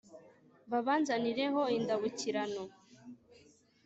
babanzanireho indabukirano